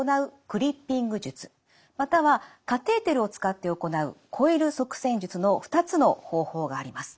またはカテーテルを使って行うコイル塞栓術の２つの方法があります。